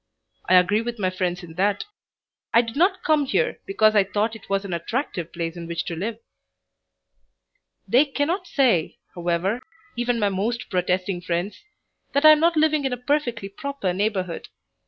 I agree with my friends in that. I did not come here because I thought it was an attractive place in which to live. They cannot say, however, even my most protesting friends, that I am not living in a perfectly proper neighborhood.